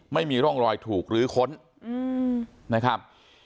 ไม่มีร่องรอยถูกลื้อค้นนะครับ